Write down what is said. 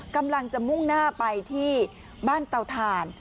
กำลังจะมุ่งหน้าไปที่บ้านเตาถ่าน